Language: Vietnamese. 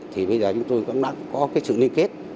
thì bây giờ chúng tôi cũng đã có cái sự liên kết